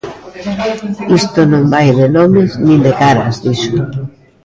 "Isto non vai de nomes nin de caras", dixo.